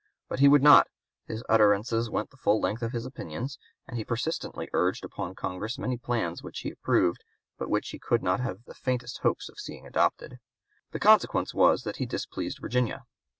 But he would not; his utterances went the full length of his opinions, and he persistently urged upon Congress many plans which he approved, but which he could not have the faintest hopes of seeing adopted. The consequence was that he displeased Virginia.